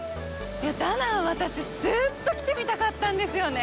ダナン、私、ずっと来てみたかったんですよね。